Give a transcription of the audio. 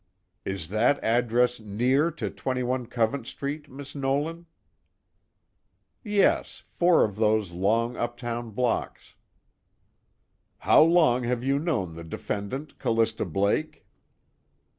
"Is that address near to 21 Covent Street, Miss Nolan?" "Yes, four of those long uptown blocks." "How long have you known the defendant Callista Blake?"